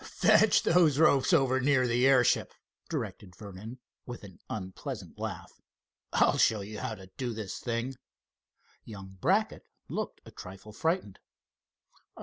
"Fetch those ropes over near the airship," directed Vernon, with an unpleasant laugh. "I'll show you how to do this thing." Young Brackett looked a trifle frightened.